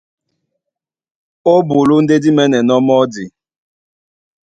Ó bulú ndé dí mɛ́nɛnɔ́ mɔ́di.